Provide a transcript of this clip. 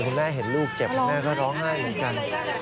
แม่เห็นลูกเจ็บคุณแม่ก็ร้องไห้เหมือนกัน